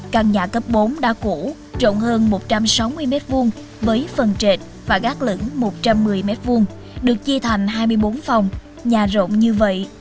căn nhà cấp bốn đa củ rộng hơn một trăm sáu mươi m hai với phần trệt và gác lửng một trăm một mươi m hai được chia thành hai mươi bốn phòng nhà rộng như vậy